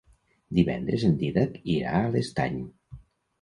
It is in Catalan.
Divendres en Dídac irà a l'Estany.